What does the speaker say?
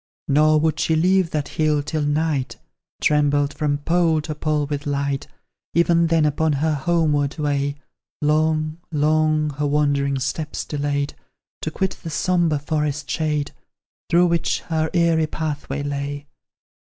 Nor would she leave that hill till night Trembled from pole to pole with light; Even then, upon her homeward way, Long long her wandering steps delayed To quit the sombre forest shade, Through which her eerie pathway lay.